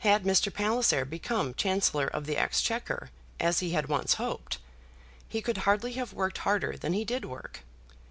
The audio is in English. Had Mr. Palliser become Chancellor of the Exchequer, as he had once hoped, he could hardly have worked harder than he did work.